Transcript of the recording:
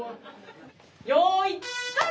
よいスタート！